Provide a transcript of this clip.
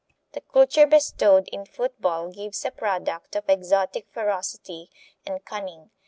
The culture bestowed in football gives a product of exotic ferocity and cunning.